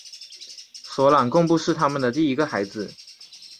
索朗贡布是他们的第一个孩子。